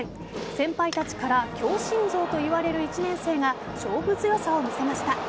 先輩たちから強心臓と言われる１年生が勝負強さを見せました。